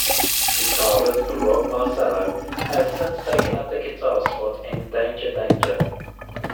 Guitarist Rob Marcello has since taken up the guitar spot in Danger Danger.